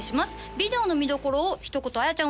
ビデオの見どころをひと言綾ちゃん